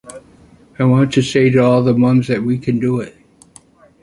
I want to say to all the mums that we can do it.